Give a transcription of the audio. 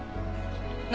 何？